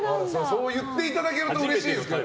そう言っていただけるとうれしいですけど。